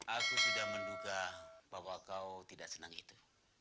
aku sudah menduga bahwa kau tidak senang itu